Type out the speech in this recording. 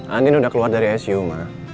andin udah keluar dari isu ma